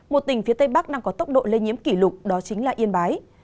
một tỉnh phía tây bắc đang có tốc độ lây nhiễm kỷ lục đó chính là yên bái